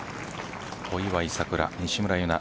小祝さくら、西村優菜